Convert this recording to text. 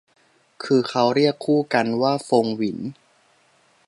คือเค้าเรียกคู่กันว่าฟงหวิน